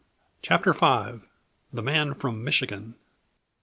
CHAPTER V. _The Man From Michigan.